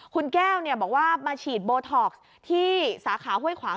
คุณแก้วบอกว่ามาฉีดโบท็อกซ์ที่สาขาห้วยขวาง